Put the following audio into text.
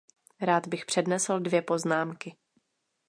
Rád bych přednesl dvě poznámky.